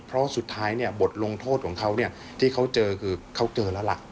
เพราะสุดท้ายเนี่ยบทลงโทษของเขาเนี่ยที่เขาเจอคือเขาเจอแล้วล่ะ